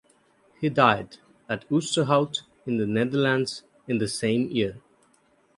He died at Oosterhout in the Netherlands in the same year.